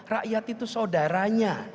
rakyat itu saudaranya